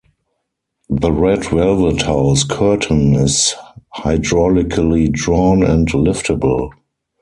The red velvet house curtain is hydraulically drawn and liftable.